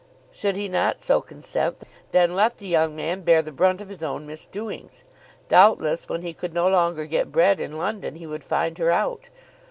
Should he not so consent, then let the young man bear the brunt of his own misdoings. Doubtless, when he could no longer get bread in London he would find her out.